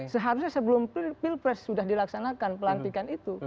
seharusnya sebelum feel press sudah dilaksanakan pelantikan itu